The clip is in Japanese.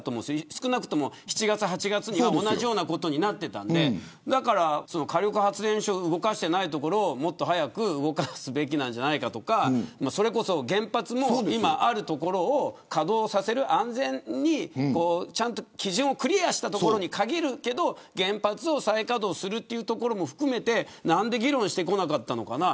少なくとも７月、８月は同じことになっていたんでだから火力発電所動かしていない所をもっと早く動かすべきなんじゃないかとかそれこそ原発も今ある所を稼働させる安全にちゃんと基準をクリアしたところに限るけど原発を再稼働するというところも含めて何で議論してこなかったのかな